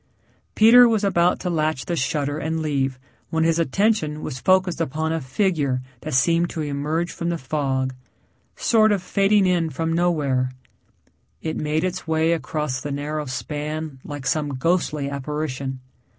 Peter was about to latch the shutter and leave when his attention was focused upon a figure that seemed to emerge from the fog sort of fading in from nowhere. It made its way across the narrow span like some ghostly apparition.